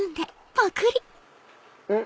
うん！